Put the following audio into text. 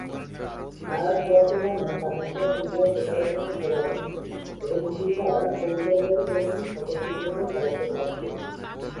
হায়াত বর্তমানে পাকিস্তান ফুটবল ফেডারেশনের সভাপতি এবং ফিফার কৌশলগত কমিটির সদস্য হিসেবেও দায়িত্ব পালন করছেন।